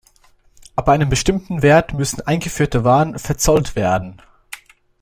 Ab einem bestimmten Wert müssen eingeführte Waren verzollt werden.